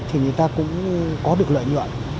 thì người ta cũng có được lợi nhuận